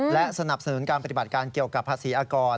และสนับสนุนการปฏิบัติการเกี่ยวกับภาษีอากร